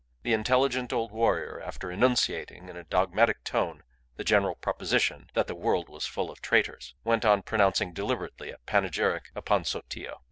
The intelligent old warrior, after enunciating in a dogmatic tone the general proposition that the "world was full of traitors," went on pronouncing deliberately a panegyric upon Sotillo.